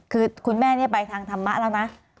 คือคุณแม่นี่ไปทางธรรมะแล้วนะ